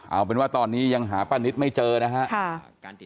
เอาเป็นว่าตอนนี้ยังหาป้านิตไม่เจอนะครับ